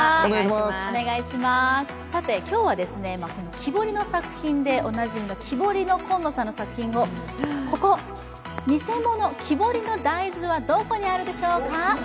今日は木彫りの作品でおなじみの、キボリノコンノさんの作品を、偽の大豆はどこにあるでしょうか？